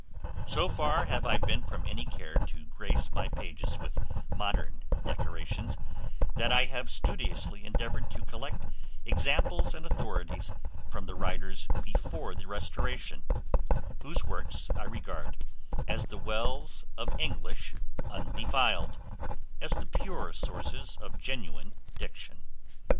So far have I been from any care to grace my pages with modern decorations, that I have studiously endeavored to collect examples and authorities from the writers before the Restoration, whose works I regard as the 'wells of English undefiled,' as the pure sources of genuine diction.